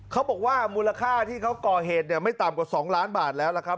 เขาบอกว่ามูลค่าที่เขาก่อเหตุเนี่ยไม่ต่ำกว่า๒ล้านบาทแล้วล่ะครับ